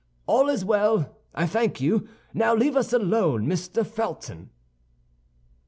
"All is well, I thank you; now leave us alone, Mr. Felton."